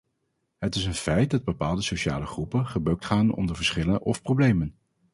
Het is een feit dat bepaalde sociale groepen gebukt gaan onder verschillen of problemen.